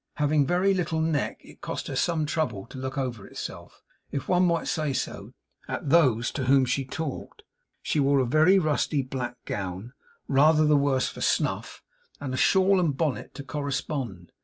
Having very little neck, it cost her some trouble to look over herself, if one may say so, at those to whom she talked. She wore a very rusty black gown, rather the worse for snuff, and a shawl and bonnet to correspond.